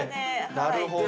なるほど。